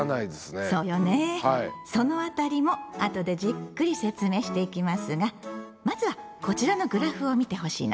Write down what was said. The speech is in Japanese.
その辺りも後でじっくり説明していきますがまずはこちらのグラフを見てほしいの。